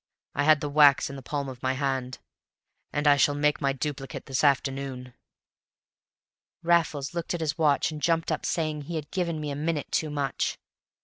I had the wax in the palm of my hand, and I shall make my duplicate this afternoon." Raffles looked at his watch and jumped up saying he had given me a minute too much.